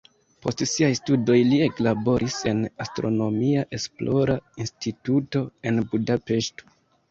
Post siaj studoj li eklaboris en astronomia esplora instituto en Budapeŝto.